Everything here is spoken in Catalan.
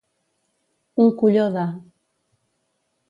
Un colló de.